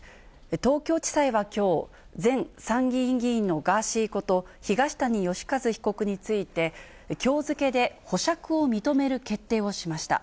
東京地裁はきょう、前参議院議員のガーシーこと東谷義和被告について、きょう付けで保釈を認める決定をしました。